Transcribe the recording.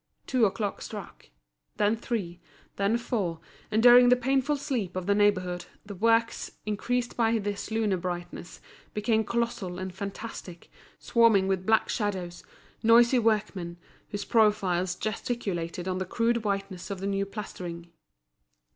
Two o'clock struck—then three, then four; and during the painful sleep of the neighbourhood, the works, increased by this lunar brightness, became colossal and fantastic, swarming with black shadows, noisy workmen, whose profiles gesticulated on the crude whiteness of the new plastering.